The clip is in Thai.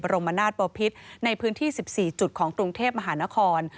รมนาศบอพิษในพื้นที่๑๔จุดของกรุงเทพมหานคร